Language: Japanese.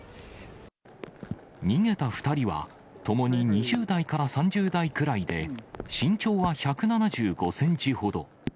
逃げた２人は、ともに２０代から３０代くらいで、身長は１７５センチほど。